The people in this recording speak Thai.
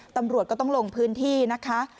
ตำรวจก็ต้องลงพื้นที่นะคะ